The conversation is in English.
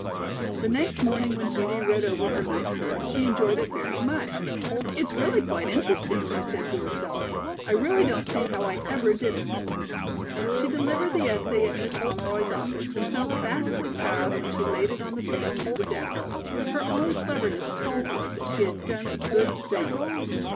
The next morning when Judy read over her night's work, she enjoyed it very much. "It's really quite interesting," she said to herself. "I really don't see how I ever did it." She delivered the essay at Miss Pomeroy's office and felt vastly proud when she laid it on the table near the desk. Her own cleverness told her that she had done a good thing.